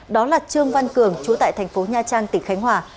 đó là trương văn cường chú tại thành phố nha trang tỉnh khánh hòa